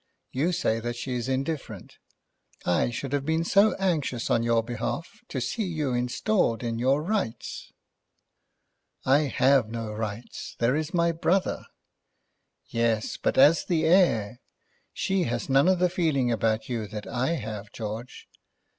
You say that she is indifferent. I should have been so anxious on your behalf, to see you installed in your rights!" "I have no rights. There is my brother." "Yes; but as the heir. She has none of the feeling about you that I have, George."